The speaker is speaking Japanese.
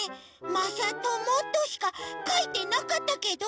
まさとも」としかかいてなかったけど？